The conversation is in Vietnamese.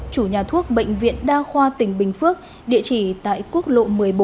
chủ nhà thuốc bệnh viện đa khoa tỉnh bình phước địa chỉ tại quốc lộ một mươi bốn